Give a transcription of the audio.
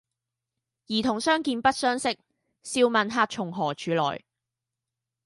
兒童相見不相識，笑問客從何處來？